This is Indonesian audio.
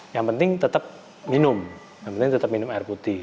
yang penting tetap minum yang penting tetap minum air putih